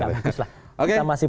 gak bagus lah